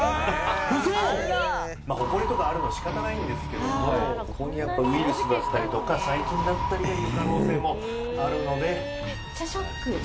まあホコリとかがあるのは仕方ないんですけどもここにやっぱウイルスだったりとか細菌だったりがいる可能性もあるので。